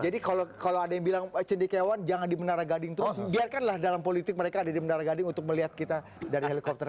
jadi kalau ada yang bilang cendikiawan jangan di menara gading terus biarkanlah dalam politik mereka ada di menara gading untuk melihat kita dari helikopter